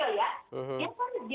banyak kali di